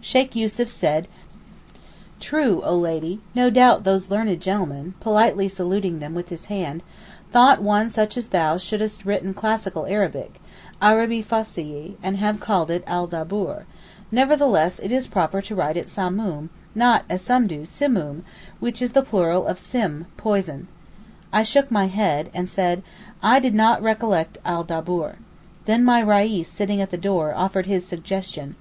Sheykh Yussuf said, 'True, oh lady, no doubt those learned gentlemen' (politely saluting them with his hand) 'thought one such as thou shouldest have written classical Arabic (Arabi fossieh), and have called it "al Daboor;" nevertheless, it is proper to write it "Samoom," not, as some do "Simoom," which is the plural of sim (poison).' I shook my head, and said, I did not recollect al Daboor. Then my Reis, sitting at the door, offered his suggestion.